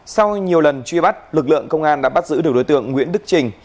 sau nhiều lần truy bắt lực lượng công an đã bắt giữ được đối tượng nguyễn đức trình